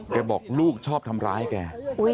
บอกลูกชอบทำร้ายแก